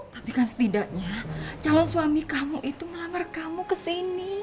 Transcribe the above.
tapi kan setidaknya calon suami kamu itu melamar kamu kesini